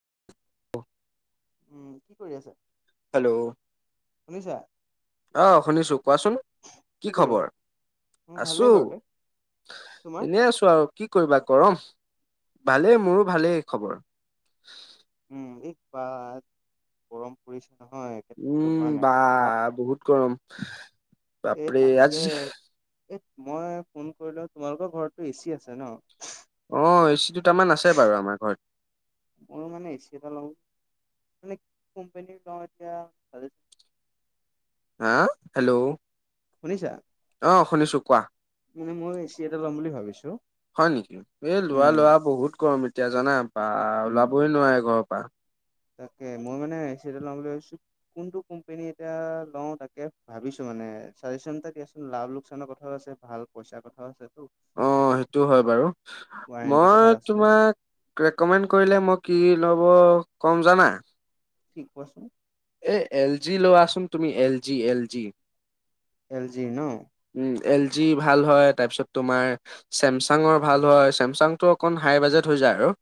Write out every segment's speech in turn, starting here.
[unintelligible] উম, কি কৰি আছা? হেল্ল'? শুনিছা? অ', শুনিছো কোৱাচোন, কি কৰি আছা? খবৰ? মোৰ ভালেই আছো। বাৰু দে। তোমাৰ? এনে আছো আৰু কি কৰিবা গৰম, ভালেই মোৰো ভালেই খবৰ। উম, এইবাৰ গৰম পৰিছে নহয়। একে থাকিব উম, পৰা নাই। বা বহুত গৰম। এই বাপৰে আজি তাকে। এ মই ফোন কৰিলো তোমালোকৰ ঘৰতটো এচি আছে ন'? অ', এ চি দুটামান আছে বাৰু আমাৰ ঘৰত। মইও মানে এচিয় এটা লওঁ, মানে কি কোম্পানী লওঁ এতিয়া [unintelligible] হা হেল্ল'? কি শুনিছা? অ', শুনিছো কোৱা। মানে মই এ চি এটা ল'ম বুলি ভাবিছো। হয়, নেকি, এই লোৱা লোৱা উম, বহুত গৰম এতিয়া জানা। বা উম। ওলাবই নোৱাৰে ঘৰৰ পৰা। তাকে মই মানে এ চি এটা ল'ম বুলি ভাবছো। কোনটো কোম্পনী এতিয়া লওঁ তাকে ভাবিছো, মানে চাজেচন এটা দিয়াচোন লাভ লোকচানৰ কথাও আছে। ভাল পইচা কথাও আছেটো। অ', সেইটো হয় বাৰু, ৱাৰেণ্টি কথা মই আছে তোমাক ৰেক'মেণ্ড কৰিলে মই কি ল'ব ক'ম জানা? কি কোৱাচোন। এই এল জি লোৱাচোন তুমি L G L G. L G ন'? উম, এল জি ভাল হয়, তাৰপিছত তোমাৰ চেমচাঙৰ ভাল হয়, চেমচাংটো অকণ হাই বাজেট হৈ যায় আৰু।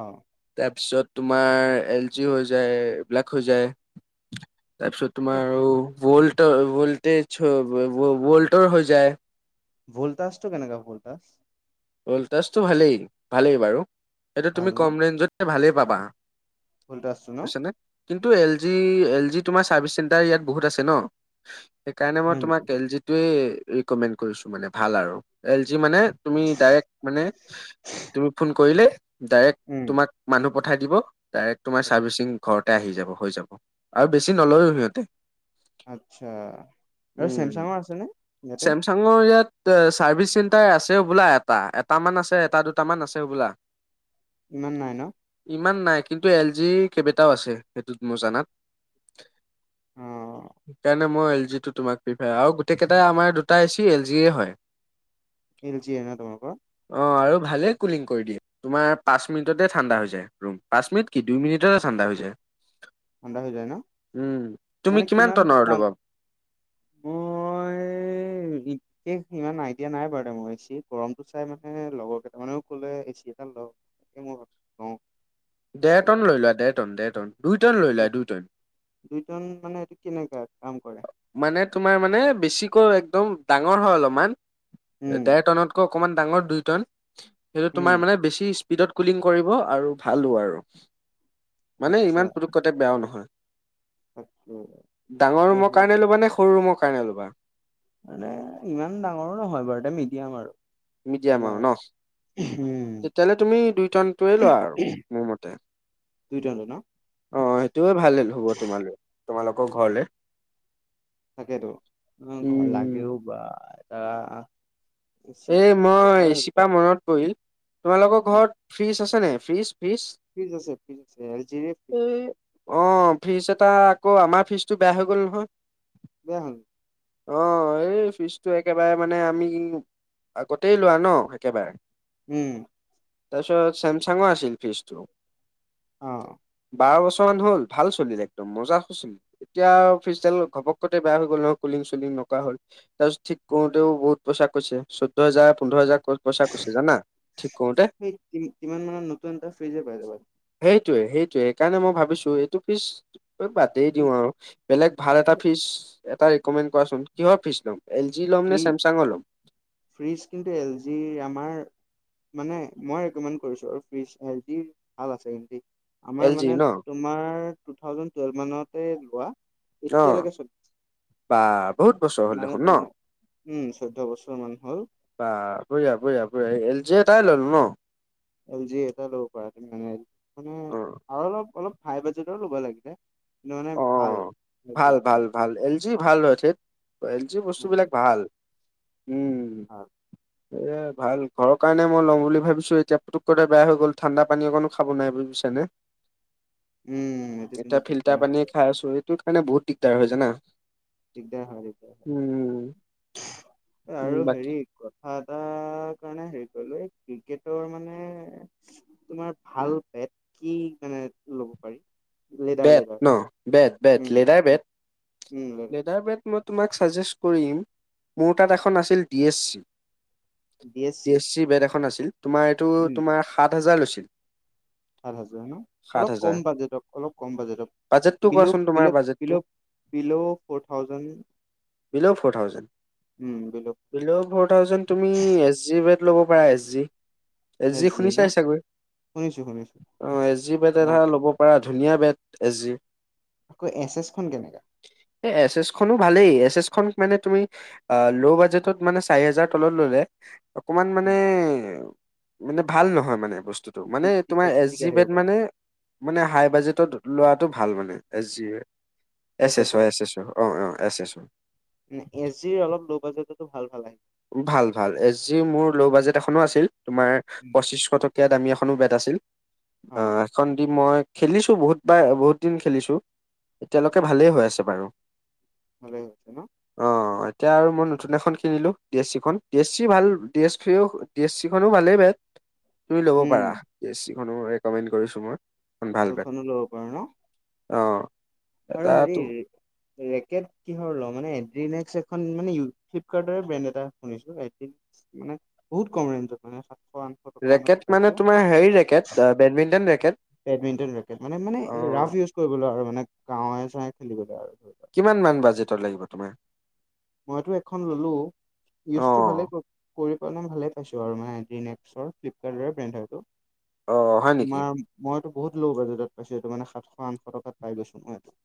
অ'। তাৰপিছত তোমাৰ এল জি হৈ যায় এইবিলাক হৈ যায়, তাৰপিছত এই তোমাৰ ভল্ট ভল্টেজ ভল্টৰ হৈ যায়। ভলটাছ টো কেনেকা ভলটাছ ভলটাছটো ভালেই ভালেই বাৰু এইটো ভাল তুমি কম ন ৰেঞ্জতে ভালেই পাবা ভল্টাজটো ন বুইছানে কিন্তু এল জি এল জি তোমাৰ চাৰ্ভিচ চেণ্টাৰ ইয়াত বহুত আছে ন সেইকাৰণে মই হয় নেকি তোমাক এল জিটোৱে ৰিকমেণ্ড কৰিছো মানে ভাল আৰু এল জি মানে তুমি ডাইৰেক্ট মানে তুমি ফোন কৰিলে ডাইৰেক্ট উম তোমাক মানুহ পঠাই দিব ডাইৰেক্ট তোমাৰ চাৰ্ভিচিং ঘৰতে আহি যাব হৈ যাব আৰু বেছি নলয়ও সিহতে আচ্ছা আৰু উম চেমচাঙৰ আছেনে ইয়াতে চেম চাঙৰ ইয়াত চাৰ্ভিচ চেণ্টাৰ আছে হবলা এত টা এটা মান আছে এটা দুটামান আছে হ'বলা ইমান নাই ন ইমান নাই কিন্তু এল জি কেইবেটাও আছে সেইটোত মোৰ জানাত অ সেইকাৰণে মই এল জি টো তোমাক প্ৰিফাই আৰু গোটেই কেইটাই আমাৰ দুটা এচি এল জিয়ে হয় এল জিয়ে ন তোমালোকৰ অ আৰু ভালেই কুলিং কৰি দিয়ে তোমাৰ পাঁচ মিনিটতে ঠাণ্ডা হৈ যায় ৰুম পাঁচ মিনিট কি দুই মিনিটতে ঠাণ্ডা হৈ যায় ঠাণ্ডা হৈ যায় ন উম তুমি মানে কিমান টনৰ ডাউন ল'বা মই [unintelligible] সেহ ইমান আইডিয়া নাই বাৰু দে মোৰ এচিৰ গৰমটো চাই মানে লগৰ কেইটামানেও কলে এচি এটা লও এই মোৰ অ ঢেৰ টন লৈ লোৱা ঢেৰ টন ঢেৰ টন দুই টন লৈ লোৱা দুই টন দুইটন মানে এইটো কেনেকা কাম কৰে মানে তোমাৰ মানে বেছিকৈ একদম ডাঙৰ হয় অলপমান উম ঢেৰ টনত অকমান ডাঙৰ দুই ন সেইটো তোমাৰ উম মানে বেছি স্পি স্পীডত কুলিং কৰিব আৰু ভালো আৰু মানে আচ্ছা ইমান পোটোককৈ বেয়াও নহয় তাকে ডাঙৰ অ ৰুমৰ কাৰণে ল'বা নে সৰু ৰুমৰ কাৰণে ল'বা মানে ইমান ডাঙৰো নহয় বাৰু দে মিডিয়াম আৰু মিডিয়াম আৰু ন উম তেতিয়াহ'লে তুমি দুই টন টোৱে লোৱা আৰু মোৰ মতে দুইটনটো ন অ সেইটোয়ে ভাল হ'ব তোমালে তোমালোকৰ ঘৰলে তাকেতো উম ঘ লাগেও বা ধৰা এই মই এচি পা মনত পৰিল তোমালোকৰ অ ঘৰত ফ্ৰিজ আছে নাই ফ্ৰিজ ফ্ৰিজ ফ্ৰিজ আছে ফ্ৰিজ আছে এল জিৰে ফ্ৰিজ এই অ ফ্ৰিজ এটা আকৌ আমাৰ ফিজটো বেয়া হৈ গ'ল নহয় বেয়া হল অ এই ফিজটো একেবাৰে মানে আমি আগতেই লোৱা ন একেবাৰে উম তাৰপিছত চেমচাঙৰ আছিল ফ্ৰিজটো অঁ বাৰ বছৰ মান হ'ল ভাল চলিল একদম মজা [unintelligible] এতিয়া ফ্ৰিজডাল ঘপককতে বেয়া হৈ গ'ল নহয় কুলিং চুলিং নকৰা হ'ল তাছত ঠিক কৰোতেও বহুত পইচা কৈছে চৈধ্য হাজাৰ পোন্ধৰ হাজাৰ ক সেই কি সিমান মানৰ নতুন এটা ফ্ৰিজে পাই যাবা। সেইটোৱে সেইটোৱে সেইকাৰণে মই ভাবিছো এইটো ফিচ বাদেই দিও আৰু বেলেগ ভাল এটা ফিজ এটা ৰিকমেণ্ড কৰাচোন, কিহৰ ফিচ লম? এল জি ল'ম ফ্ৰি নে ছেমচাং ল'ম? ফ্ৰিজ কিন্তু এল জি আমাৰ মানে মই ৰিকমেণ্ড কৰিছোঁ আৰু ফ্ৰি হেলডি ভাল আছে হ আমাৰ এল জি মানে ন তোমাৰ টু থাউজেণ্ড টুৱেলভ মানতে লোৱা অ এতিয়ালৈকে চৈ বা বহুত বছৰ হ'ল মানে দেখোন ন ত উম চৈধ্য বছৰ মান হল। বা বঢ়িয়া বঢ়িয়া বঢ়িয়া এল জি এটাই ল'ল ন? এল জি এটা ল'ব পৰা তুমি মানে মানে অ আৰু অলপ অলপ হাই বাজেটৰো ল'ব লাগিলে কিন্তু মানে অ ভাল এল জি ভাল টো ভাল মানে। ভাল এল জি ভাল হয় ঠেত, এল জি উম বস্তুবিলাক ভাল। উম। এ ভাল ঘৰৰ কাৰণে মই লম বুলি ভাবিছো এতিয়া পুকতে বয়া হৈ গল ঠাণ্ডা পানী অকো খাব নাই বুজছা নে। উম এটো কিন্ত ফিল্টাৰ দিগদাৰ হল। [inaudible] কাৰণে বহুত দিগদাৰ হয় জানা? দিগদাৰ হয় উম, গৈছে উম, আৰু বাকী হেৰি কথা এটাৰ কাৰণে হেৰি কৰিলো এই ক্ৰিকেটৰ মানে তোমাৰ ভাল বেট কি মানে লব পাৰি? লেডাৰ বেট লেডাৰ ন বেট বেট উম লেডাৰ বেট। উম। লেডাৰ লেদাৰ বেত মই তোমাক চাজেষ্ট কৰিম, মোৰ তাত এখন আছিল D S C. D S C bed এখন আছিল, তোমাৰ এইটো উম তোমাৰ সাত হাজাৰ লৈছিল। সাত হাজাৰ ন, সাত অলপ হাজাৰ কম বাজেট অলপ কম বাজেট, বাজেটটো বিলোভ কোৱাচোন তোমাৰ পিলোপ বাজেটটো পিলোপ below four thousand below four thousand, উম বিল' বিলো ফ'ৰ থাউজণ্ড। তুমি এছ জি বেড ল'ব পাৰা এছ জি। এছ জি শুনি চাই চাগৈ, শুনিছো শুনিছো অ এছ জি ব ধৰা এছ জি। ল'ব পৰা ধুনীয়া বেট এছ জি। আকৌ এছ এছ খন কেনেকা? এই এছ এছ খনো ভালেই, এছ এছ খন মানে তুমি আ লওঁ বাজেটত মানে চাৰি হেজাৰ তলত ল'লে অকমান মানে উম, মানে ভাল নহয় মানে বস্তু। টো মানে ডি- তোমাৰ এচ ডিফেক্টিক জি আহিব বেড পাৰে মানে মানে হাই বাজেটত লোৱাটো ভাল মানে এছ জি য়ে এছ এছৰ অ এছ এছ অঁ অঁ এছ ছৰ। উ এছ জিৰ অলপ লওঁ বাজেটতো ভাল ভাল আহে। ভাল ভাল এছ জি মোৰ ল' বাজেট এখনো আছিল তোমাৰ উম, পঁচিশ টকা। ইয়াত আমি এখনো বেট আছিল, অ আহ হেইখন দি মই খেলিছো বহুতবাৰ বহুত দিন খেলিছো। এতিয়ালৈকে আচ্ছা ভালেই হৈ আছে বাৰু। ভালে হৈ আছে ন? অ এতিয়া আৰু মই নতুন এখন কিনিলো। দি এছ চিখন দি এছ চি ভাল দি এছ ফিও দি এছ চিও ভালেই বেট তুমি লব উম পাৰা। ডি এছ চিখনো ৰিকমেণ্ড কৰিছো মই ভাল বেট সেইখনো ল'ব পাৰো ন অঁ। আৰু হেৰি ৰেকেট কিহৰ ল মানে এড্ৰিনেক্স এখন মানে ফ্লিপকাৰ্টৰে ব্ৰেণ্ড এটা শুনিছোঁ। মানে বহুত কমেন্ট মানে সাতশ আঠ ৰেকেট মানে তোমাৰ হেৰি racket badminton racket. Badminton racket মানে মানে অ ৰাফ ইউজ কৰিবলৈ আৰু মানে গাঁৱে চাঁৱে খেলিবলৈ আৰু ধৰিলোৱা। কিমান মান বাজেটত লাগিব তোমাৰ। মইতো এখন ললো অ ইউজটো ভালে কৰ- কৰি ভালেই পাইছো আৰু মানে ফ্লিপকাৰ্টৰে ব্ৰেণ্ড হয়টো। অ হয় নেকি তোমাৰ মইতো বহুত ল' বাজেটত পাইছো এইটো মানে সাতশ আঠশ টকাত পাই গৈছো নহয় এইটো।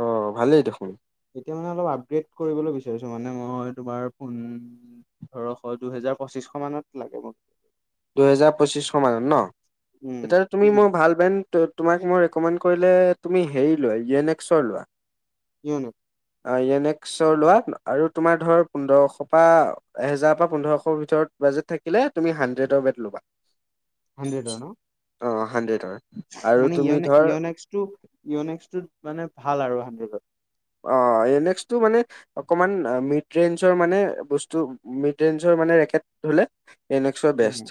অঁ ভালেই দেখোন। এতিয়া মানে অলপ আপগ্ৰেড কৰিবলৈ বিচাৰিছো মানে মই তোমাৰ ফোন - পোন্ধৰশ দুহেজাৰ পঁচিশ মানত লাগে মোক। দুহেজাৰ পঁচিছশ মানত ন উম তেতিয়াতো কি তুমি মোৰ মানে ভাল ব্ৰেণ্ডতো। তোমাক মই ৰিকমেণ্ড কৰিলে তুমি হেৰি লোৱা ই ইয়নেক্সৰ লোৱা। কি হয় নো। অঁ ইয়নেক্স। পিছৰ লোৱা আৰু তোমাৰ ধৰ পোন্ধৰশ পৰা এহেজাৰ পৰা পোন্ধৰশ বাজেট থাকিলে তুমি শান্তি। ণ্ড্ৰেডৰ বেট লবা। হাণ্ড্ৰেডৰ ন। অঁ হাণ্ড্ৰেডৰ। আৰু মানে তুমি ইয়নে ধৰ ইয়'নেক্সটো ইয়'নেক্সটোত মানে ভাল আৰু হাণ্ড্ৰেডত। অঁ ইয়নেক্সটো মানে- অকমান মিড ৰেঞ্জৰ মানে বস্তু মিড ৰেঞ্জৰ মানে ৰেকেট। হ'লে ইয়নেক্সৰ বেষ্ট।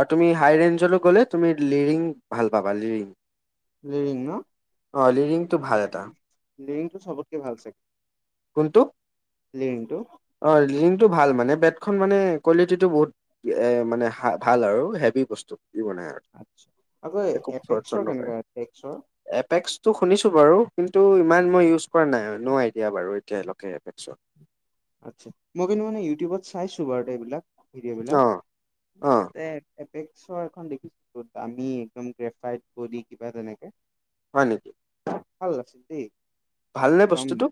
আৰু তুমি হাই ৰেঞ্জলৈ গ'লে তুমি লিৰিং ভাল পাবা লিৰিং। লিৰিং ন। অঁ লিৰিংটো ভাল এটা। লিৰিংটো চবতকে ভাল চাগে। কোনটো? লিৰিংটো। অঁ লিৰিংটো ভাল মানে বেডখন মানে কোৱালিটিটো বহুত- এ মানে ভাল আৰু হেভী বস্তু দি বনাই আৰু। আচ্ছা আকৌ একো ফ্ৰড চড এপেক্সৰ নকৰে কেনেকা এপেক্সৰ। এপেক্সটো শুনিছোঁ বাৰু কিন্তু ইমান মই ইউজ কৰা নাই নও আইডিয়া বাৰু। কে লক কে অপেক্সত। আচ্ছা মই কিন্তু মানে ইউটিউবত চাইছোঁ বাৰু এইবিলাক ভিডিঅ' বিলাক। অ', অ', তাতে এপেক্সৰ এখন দেখিছোঁ। দামী একদম গ্ৰেফাই বোডি কিবা তেনেকে। হয়ঁ নেকি? ভাল লাগছে দেই। ভালনে বস্তুটো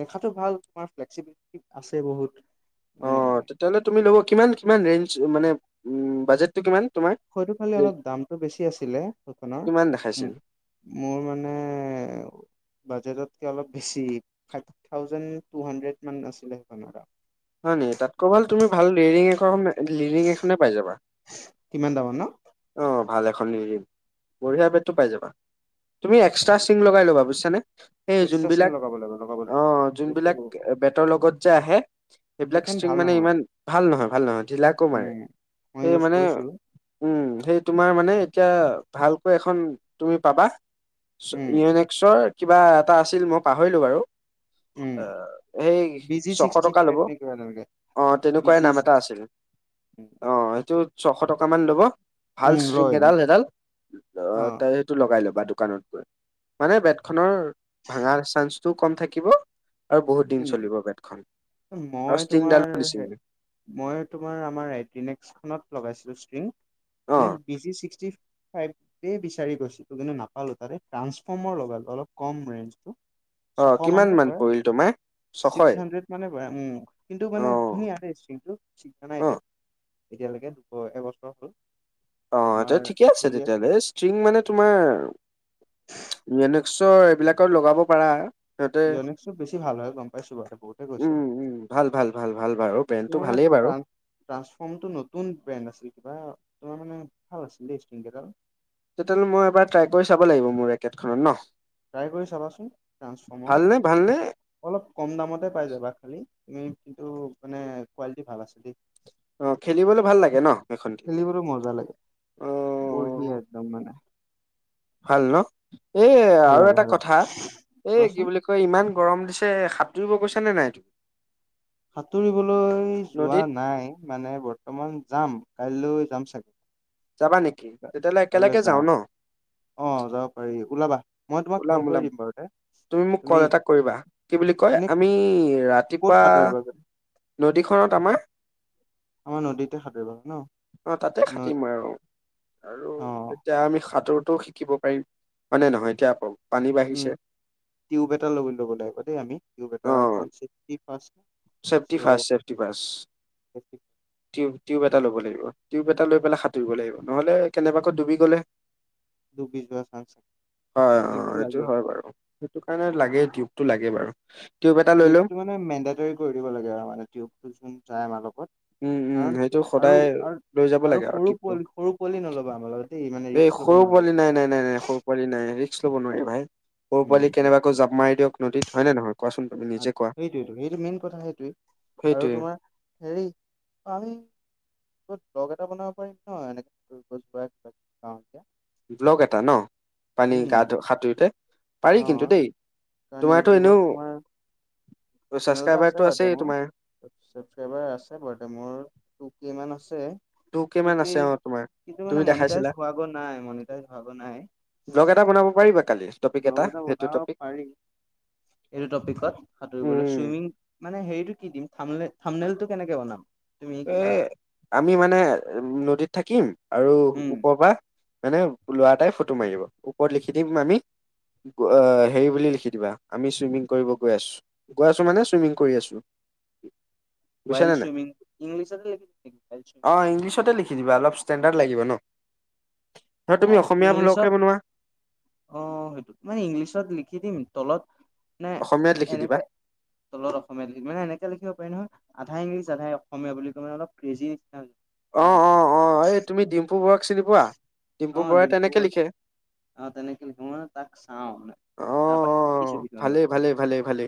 দেখাতটো ভাল তোমাৰ ফ্লেক্সিবিলিটি আছে বহুত মানে- অ', তেতিয়াহ'লে তুমি ল'ব কিমান কিমান ৰেঞ্জ মানে বাজেটটো কিমান তোমাৰ? হয়টো খালি অলপ দামটো বেছি আছিলে সেইখনৰ কিমান দেখাইছিল মো- মোৰ মানে বাজেটতকে অলপ বেছি, ফাইভ থাউজেণ্ড টু হাড্ৰেড মান আছিলে সেইখনৰ দাম। হয় নেকি তাতকৈ ভাল তুমি ভাল লিৰিং [unintelligible] লিৰিং এখনে পাই যাবা। কিমান দামৰ ন অ' ভাল এখন [unintelligible] বঢ়িয়া বেটটো পাই যাবা, তুমি এক্সট্ৰা এথিং লোগায় ল'বা বুজিছানে, এ, এক্সট্ৰা চিম যোনবিলাক লগাব লাগিব লগাব লাগিব অ' এইটো যোনবিলাক বেটৰ লগত যে আহে। সেইবিলাক সেইখন ষ্ট্ৰিং ভাল মানে নহয় ইমান ভাল নহয় ভাল নহয় ঢিলাকে মাৰে, উম মই সেই ইউজ মানে কৰিছো উম, সেই তোমাৰ মানে এতিয়া ভালকৈ এখন তুমি পাবা, উম [unintelligible] চৰ কিবা এটা আছিল মই পাহৰিলোঁ বাৰু। উম অ' এই বি জি ছশ ছিক্সটি টকা ল'ব। [unintelligible] অ' বি তেনেকুৱাই জি নাম এটা ছিক্সটি আছিল, অ' সেইটোত ছশ টকা মান ল'ব। ভাল উম ষ্ট্ৰিং লয় এডাল এডাল, অ' তাৰে লগাই ল'বা দোকানত গৈ, মানে বেট খনৰ ভাঙা চান্সটো কম থাকিব। আৰু বহুত দিন উম চলিব বেটখন। আৰু মই ষ্টিংডালো তোমাৰ হে নিচিঙে মই তোমাৰ আমাৰ এড্ৰিনেক্স খনত লগাইছিলোঁ ষ্ট্ৰিং, মানে অ' বি জি ছিক্সটি [unintelligible] [unintelligible] বিচাৰি গৈছিলোঁ কিন্তু নাপালোঁ তাতে ট্ৰাঞ্চফৰ্মৰ লগালোঁ অলপ কম ৰেঞ্জটো। অ' ছশ কিমান মানহে পৰে। [unintelligible] ছিক্স হাণ্ড্ৰেড মানে [unintelligible] কিন্তু মানে অ' ধুনীয়া ষ্ট্ৰিংটো [unintelligible] এতিয়া, অ' এতিয়ালৈকে দুব এবছৰ হ'ল। অ' তে তোমাৰ ঠিকে আছে খেলি তেতিয়া ৰেছ। ঠিং মানে তোমাৰ, ইয়েনক্সৰ এইবিলাকত লগাব পাৰা। সিহঁত, ইয়নেক্সটো বেছি ভাল হয় গম পাইছোঁ বাৰু বহুতে কৈছে উম, উম, ভাল ভাল ভাল ভাল বাৰু। ব্ৰেণ্ডটো ভালেই বাৰু। ট্ৰাঞ্চফৰ্মটো নতুন ব্ৰেণ্ড আছিল কিবা তোমাৰ মানে ভাল আছিলে ষ্ট্ৰিং কেইডাল। তেতিয়াহ'লে মই এবাৰ ট্ৰাই কৰি চাব লাগিব মোৰ ৰেকেটখনত ন'। ট্ৰাই কৰি চাবাচোন ট্ৰাঞ্চফৰ্মৰ। ভালনে ভালনে অলপ কম দামতে পাই যাবা খালি তুমি কিন্তু মানে কোৱালিটি ভাল আছে দেই। অ' খেলিবলৈ ভাল লাগে ন' এখন দি, খেলিবলৈ মজা লাগে অ'। বঢ়িয়া একদম মানে। ভাল ন' এ, ভাল আৰু লাগে এটা ভাল কথা, এই কি কোৱাচোন বুলি ক [unintelligible] ইমান গৰম দিছে, সাঁতুৰিব গৈছা নে নাই তু সাঁতুৰিবলৈ যোৱা নদীত নাই মানে বৰ্তমান যাম, কাইলৈ যাম চাগে। যাবা নে কাইলৈ যাম, অ' যাব পাৰি ওলাবা। মই তোমাক ওলাম ক'ল কৰি ওলাম দিম বাৰু তে, মোক কল তুমি, এটা কৰিবা কি বুলি কয় [unintelligible] আমি ৰাতিপুৱা ক'ত [unintelligible] নদীখনত আমাৰ। আমাৰ নদীতে সাঁতুৰিবা ন অ' তাতে নদ খাটিম আৰু, আৰু অ এতিয়া আমি সাঁতোৰতোও শিকিব পাৰিম, হয়নে নহয় এতিয়া আকৌ পানী উম বাঢ়িছে। টিউব এটা ল'ব লাগিব দেই আমি টিউব অ এটা কাৰণ চেফটি ফাৰ্ষ্ট। চেফটি চ' ফাষ্ট, চেফটি ফাষ্ট। টিউ টিউব এটা লব লাগিব, টিউব এটা লৈ পেলাই সাঁতুব লাগিব, নহলে কেনেবাকৈ ডুবি গলে ডুবি যোৱা চান্স হয় অঁ টিউবটো এইটো লাগে হয় বাৰু। সেইটো কাৰণে লাগে টিউপটো লাগে বাৰু। টিউব এটা লৈ লম টিউবটো মানে মেন্দেটোৰী কৰি দিব লাগে আৰু মানে টিউবটো যোন যায় আমাৰ লগত। উম উম কাৰণ সেইটো সদায় আৰু লৈ যাব আৰু লাগে সৰু টিউবটো। পোৱালি সৰু পোৱালি নলবা আমাৰ লগত দেই মানে এই ৰিক্স ল'ব সৰু পোৱালি নাই নাই নাই নাই নোৱাৰিবা। সৰু পোৱালি নাই ৰিক্স ল'ব নোৱাৰে ভাই, সৰু উম পোৱালি কেনেবাকৈ জাপ মাৰি দিয়ক নদীত, হয় নে নহয় কোৱাচোন? তুমি নিজে কোৱা সেইটোৱেটো সেইটো মেইন কথা সেইটোৱেই আৰু সেইটোৱে। তোমাৰ হেৰি আমি ত ব্লগ এটা বনাব পাৰিম ন এনেক গছ গৰা কিবা খাওঁ এতিয়া। ব্লক এটা ন পানী গাটো সাঁতুৰোতে? অ পাৰি কিন্তু দেই, কাৰণ তোমাৰ এইটো ইউটিউবত এনেও তোমাৰ চেনেল এটা আছে ছাবস্ক্ৰাইবাৰটো বাৰুতে আছেই মোৰ তোমাৰ। ছাবস্ক্ৰাইবাৰ আছে বাৰুদে মোৰ টুকেই মান আছে। টু কে মান টুকে আছে অ তোমাৰ কিন্তু মানে তুমি মনিটাইজ দেখাইছিলা হোৱাগৈ নাই মনিটাইজ হোৱাগৈ নাই। ব্লগ এটা বনাব পাৰিবা কালি? টপিক ব্লগ এটা সেইটো বনাব টপিক পাৰি এইটো টপিকত সাঁতুৰিবলৈ উম চুইমিং মানে হেৰিটো কি দিম? থামলে থামনেলটো কেনেকে বনাম? তুমি এ কিবা আমি মানে নদীত থাকিম আৰু উম ওপৰৰ পৰা মানে ল'ৰা এটাই ফটো মাৰিব, ওপৰত লিখি দিম আমি অ হেৰি বুলি লিখি দিবা আমি চুইমিং কৰিব গৈ আছো, গৈ আছো মানে চুইমিং কৰি আছো। বুজিছা ৱাইল্ড নে নাই চুইমিং, ইংলিছত [inaudible] অঁ ইংলিছতে লিখি দিবা অলপ ষ্টেণ্ডাৰ্ড লাগিব ন, আৰু তুমি অসমীয়া ব্লগহে বনোৱা। অঁ সেইটো মানে ইংলিছত লিখি দিম তলত নে অসমীয়াত লিখি দিবা এনেকে তলৰ অসমীয়া লিখিম মানে এনেকে লিখিব পাৰি নহয় আধাই ইংলিছ আধাই অসমীয়া বুলি ক মানে অলপ ক্ৰেজি নিচিনা তালে অঁ অঁ অঁ এই তুমি ডিম্পু বৰুৱাক চিনি পোৱা? ডিম্পু বৰুৱাই তেনেকে লিখে। অঁ তেনেকে লিখে, মই মানে তাক চাওঁ মানে, অ অ তাৰপাৰা শিকিছোঁ কিছুমান ভালেই কথা ভালেই মানে। ভালেই ভালেই